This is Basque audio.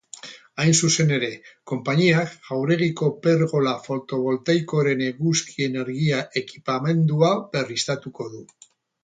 Hain zuzen ere, konpainiak jauregiko pergola fotovoltaikoaren eguzki energia ekipamendua berriztatuko du.